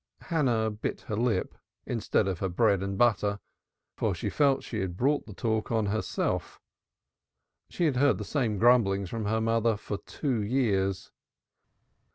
Hannah bit her lip, instead of her bread and butter, for she felt she had brought the talk on herself. She had heard the same grumblings from her mother for two years.